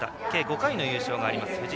計５回の優勝があります